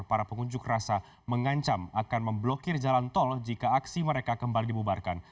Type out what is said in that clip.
para pengunjuk rasa mengancam akan memblokir jalan tol jika aksi mereka kembali dibubarkan